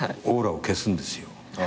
オーラを消すんですよ。